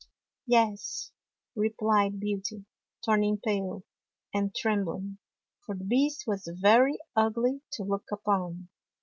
" Yes," replied Beauty, turning pale, and trembling, for the Beast was very ugly to look upon.